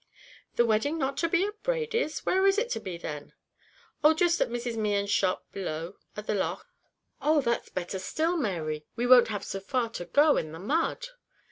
"The wedding not to be at Brady's, where is it to be then?" "Oh, jist at Mrs. Mehan's shop below, at the loch." "Oh, that's better still, Mary; we won't have so far to go in the mud."